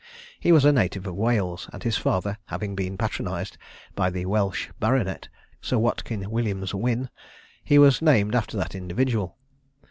He was a native of Wales, and his father having been patronised by the Welch baronet, Sir Watkin Williams Wynne, he was named after that individual.